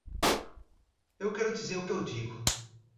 Eu quero dizer o que eu digo.